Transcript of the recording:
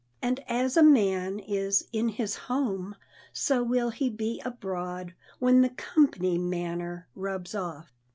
And as a man is in his home, so will he be abroad, when the "company manner" rubs off.